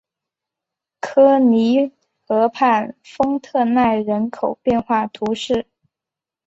科尼河畔丰特奈人口变化图示